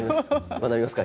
学びますか？